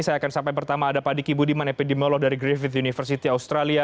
saya akan sampai pertama ada pak diki budiman epidemiolog dari griffith university australia